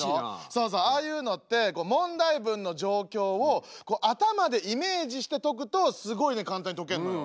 ああいうのって問題文の状況を頭でイメージして解くとすごいね簡単に解けんのよ。